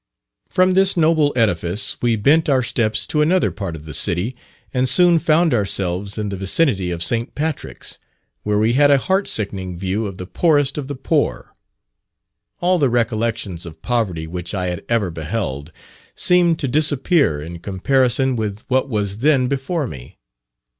From this noble edifice, we bent our steps to another part of the city, and soon found ourselves in the vicinity of St. Patrick's, where we had a heart sickening view of the poorest of the poor. All the recollections of poverty which I had ever beheld, seemed to disappear in comparison with what was then before me.